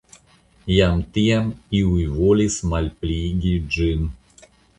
Jam tiam iuj volis malpliigi ĝin.